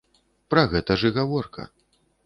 Пра гэта ж і гаворка.